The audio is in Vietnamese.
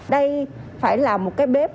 đây phải là một cái bếp